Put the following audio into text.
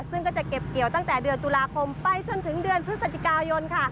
ซึ่งก็จะเก็บเกี่ยวตั้งแต่เดือนตุลาคมไปจนถึงเดือนพฤศจิกายนค่ะ